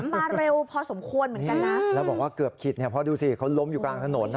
มาเร็วพอสมควรเหมือนกันนะแล้วบอกว่าเกือบขิดเนี่ยเพราะดูสิเขาล้มอยู่กลางถนนนะ